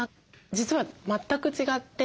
実は全く違って。